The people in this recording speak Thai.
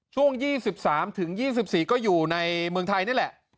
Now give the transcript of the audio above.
ช่วง๒๓๒๔ก็อยู่ในเมืองไทยนี่แหละ